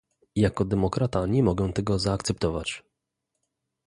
Jako demokrata nie mogę tego zaakceptować